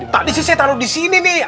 pak disini saya taruh disini nih